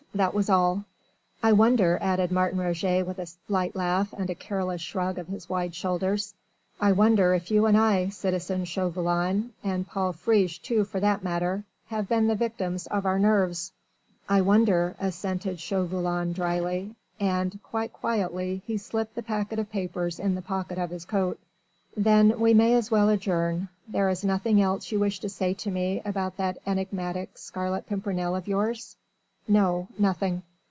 That was all." "I wonder," added Martin Roget with a light laugh and a careless shrug of his wide shoulders, "I wonder if you and I, citizen Chauvelin and Paul Friche too for that matter have been the victims of our nerves." "I wonder," assented Chauvelin drily. And quite quietly he slipped the packet of papers in the pocket of his coat. "Then we may as well adjourn. There is nothing else you wish to say to me about that enigmatic Scarlet Pimpernel of yours?" "No nothing."